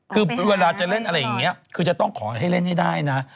คือเวลาจะเล่นอะไรอย่างนี้คือจะต้องขอให้เล่นให้ได้นะ